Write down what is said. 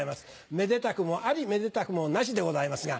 めでたくもありめでたくもなしでございますが。